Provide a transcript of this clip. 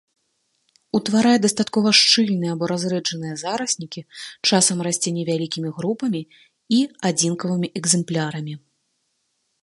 Утварае дастаткова шчыльныя або разрэджаныя зараснікі, часам расце невялікімі групамі і адзінкавымі экземплярамі.